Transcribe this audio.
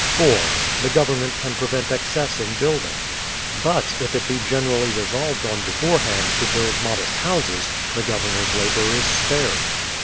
4. The government can prevent excess in building: — But if it be generally resolved on beforehand to build modest houses, the Governor's labour is spared.